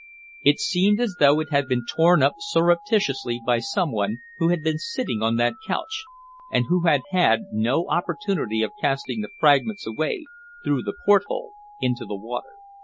It seemed as though it had been torn up surreptitiously by someone who had been sitting on that couch, and who had had no opportunity of casting the fragments away through the port hole into the water.